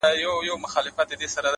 د زړو غمونو یاري ـ انډيوالي د دردونو ـ